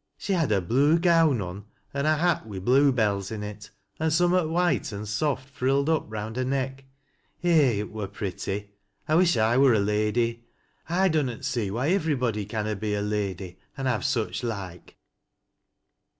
" She had a blue gown on, an' a hat wi' blue bella in it, an' summat white an' soft frilled up rtund her neck, Eh ! it wur pretty. I wish I wur a lady. I dunnot ses why iwerybody canna be a lady an' have such loike."